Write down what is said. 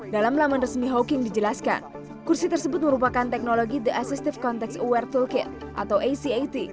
dalam laman resmi hawking dijelaskan kursi tersebut merupakan teknologi the assistive context aware tool kit atau acat